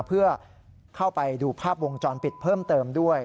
เพื่อเข้าไปดูภาพวงจรปิดเพิ่มเติมด้วย